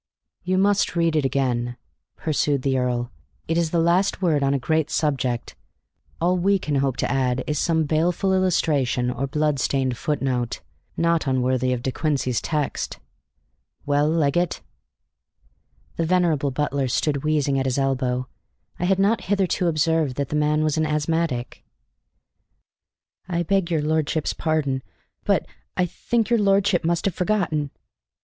"You must read it again," pursued the earl. "It is the last word on a great subject; all we can hope to add is some baleful illustration or bloodstained footnote, not unworthy of De Quincey's text. Well, Leggett?" The venerable butler stood wheezing at his elbow. I had not hitherto observed that the man was an asthmatic. "I beg your lordship's pardon, but I think your lordship must have forgotten."